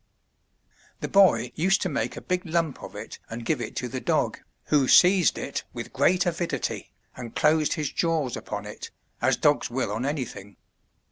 The boy used to make a big lump of it and give it to the dog, who seized it with great avidity, and closed his jaws upon it, as dogs will on anything.